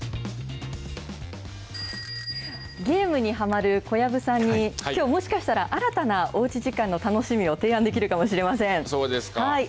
ゲームにはまる小籔さんにきょう、もしかしたら新たなおうち時間の楽しみを提案できるかもしれませそうですか。